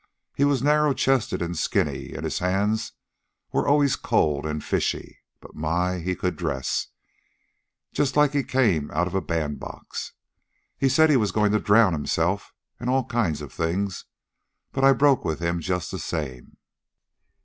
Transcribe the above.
He was narrow chested and skinny, and his hands were always cold and fishy. But my! he could dress just like he came out of a bandbox. He said he was going to drown himself, and all kinds of things, but I broke with him just the same.